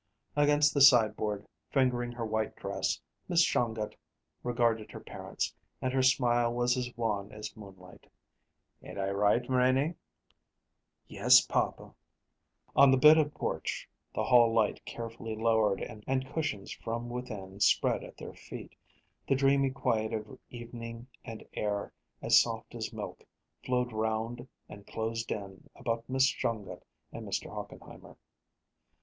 Against the sideboard, fingering her white dress, Miss Shongut regarded her parents, and her smile was as wan as moonlight. "Ain't I right, Renie?" "Yes, papa." On the bit of porch, the hall light carefully lowered and cushions from within spread at their feet, the dreamy quiet of evening and air as soft as milk flowed round and closed in about Miss Shongut and Mr. Hochenheimer.